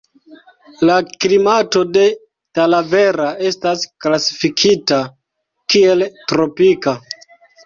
La klimato de Talavera estas klasifikita kiel tropika.